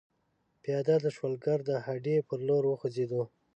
پیاده د شولګرې د هډې پر لور وخوځېدو.